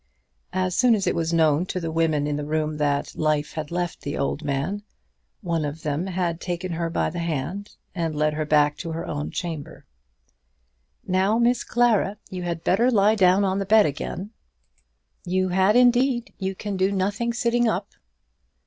As soon as it was known to the women in the room that life had left the old man, one of them had taken her by the hand and led her back to her own chamber. "Now, Miss Clara, you had better lie down on the bed again; you had indeed; you can do nothing sitting up."